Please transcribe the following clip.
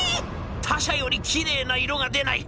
他社よりきれいな色が出ない。